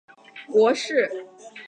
迁武学博士。